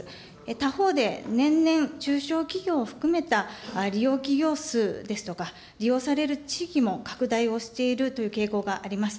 他方で、年々、中小企業を含めた利用企業数ですとか、利用される地域も拡大をしているという傾向があります。